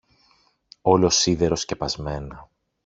όλο σίδερο σκεπασμένα